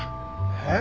えっ？